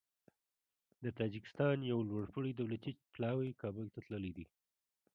د تاجکستان یو لوړپوړی دولتي پلاوی کابل ته تللی دی.